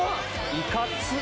いかつっ。